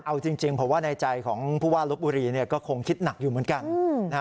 เอาจริงผมว่าในใจของผู้ว่าลบบุรีก็คงคิดหนักอยู่เหมือนกัน